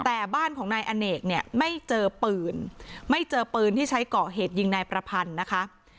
แต่บ้านของนายอเนกเนี่ยไม่เจอปืนไม่เจอปืนที่ใช้ก่อเหตุยิงนายประพันธ์นะคะ